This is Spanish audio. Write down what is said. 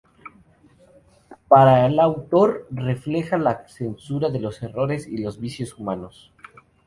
Para el autor refleja "La censura de los errores y los vicios humanos.